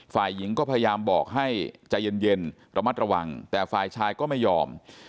ฝ่ายหญิงก็พยายามบอกให้ใจเย็นระมัดระวังแต่ฝ่ายชายก็ไม่ยอม